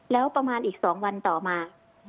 แล้วประมาณอีก๒วันต่อมา